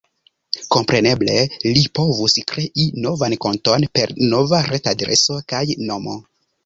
Kompreneble, li povus krei novan konton per nova retadreso kaj nomo.